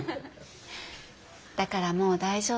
だからもう大丈夫。